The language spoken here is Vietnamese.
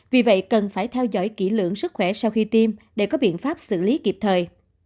vì vậy cần phải theo dõi kỹ lượng sức khỏe sau khi tiêm để có biện pháp xử lý kịp thời